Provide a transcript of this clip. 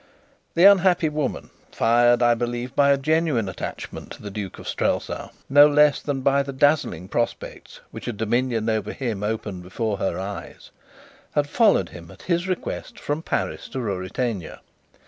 The unhappy woman, fired, I believe by a genuine attachment to the Duke of Strelsau, no less than by the dazzling prospects which a dominion over him opened before her eyes, had followed him at his request from Paris to Ruritania.